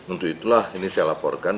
untuk itulah ini saya laporkan